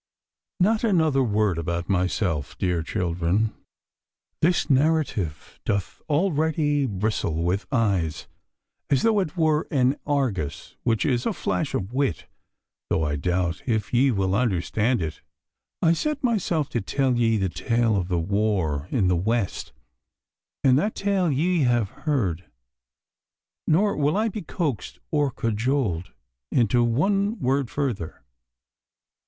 Not another word about myself, dear children. This narrative doth already bristle with I's, as though it were an Argus which is a flash of wit, though I doubt if ye will understand it. I set myself to tell ye the tale of the war in the West, and that tale ye have heard, nor will I be coaxed or cajoled into one word further.